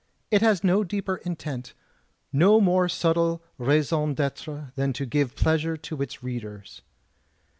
It has no deeper intent, no more subtle raison d'itre than to give pleasure to its readers.